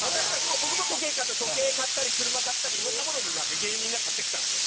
僕も時計買ったり、車買ったりいろんなものを芸人が買ってきたんですよ。